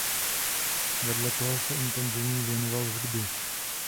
Vedle toho se intenzivně věnoval hudbě.